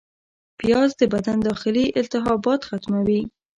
پیاز د بدن داخلي التهابات ختموي